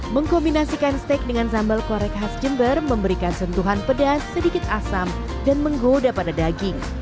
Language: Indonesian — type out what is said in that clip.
mengkombinasikan steak dengan sambal korek khas jember memberikan sentuhan pedas sedikit asam dan menggoda pada daging